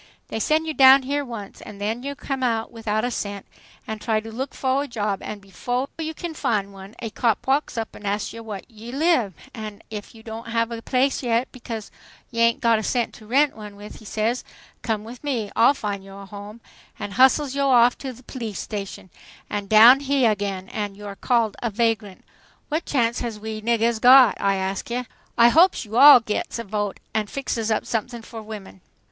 "They sen' yo' down here once, an' then yo' come out without a cent, and try to look fo' a job, an' befo' yo' can fin' one a cop walks up an' asks yo' whah yo' live, an' ef yo' haven't got a place yet, becaus' yo' ain' got a cent to ren' one with, he says, 'Come with me, I'll fin' yo' a home,' an' hustles yo' off to the p'lice station an' down heah again, an' you're called a 4vag' (vagrant). What chance has we niggahs got, I ask ya? I hopes yo' all gits a vote an' fixes up somethings for women!"